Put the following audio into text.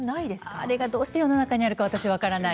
あれはどうして世の中にあるのか私は分からない。